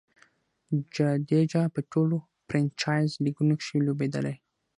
جډیجا په ټولو فرنچائز لیګونو کښي لوبېدلی.